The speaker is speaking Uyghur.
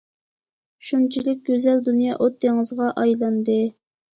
شۇنچىلىك گۈزەل دۇنيا ئوت دېڭىزغا ئايلاندى.